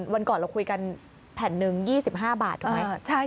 วันก่อนเราคุยกันแผ่นหนึ่ง๒๕บาทถูกไหม